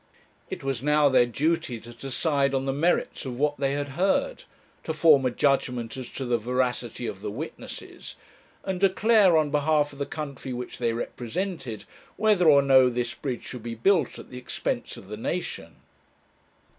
It was now their duty to decide on the merits of what they had heard, to form a judgement as to the veracity of the witnesses, and declare, on behalf of the country which they represented, whether or no this bridge should be built at the expense of the nation.